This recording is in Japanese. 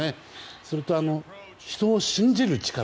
それと、人を信じる力。